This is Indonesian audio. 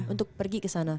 untuk pergi kesana